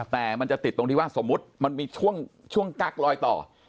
แต่มันจะติดตรงที่ว่าสมมุติมันมีช่วงกั๊กลอยต่อ